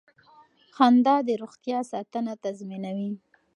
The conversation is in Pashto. خندا د روغتیا ساتنه تضمینوي.